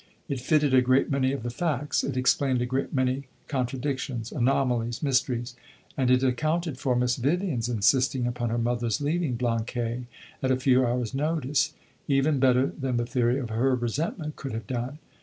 It fitted a great many of the facts, it explained a great many contradictions, anomalies, mysteries, and it accounted for Miss Vivian's insisting upon her mother's leaving Blanquais at a few hours' notice, even better than the theory of her resentment could have done.